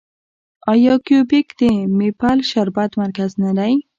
آیا کیوبیک د میپل شربت مرکز نه دی؟